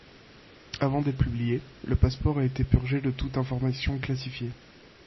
Avant d'être publié, le rapport a été purgé de toutes informations classifiées.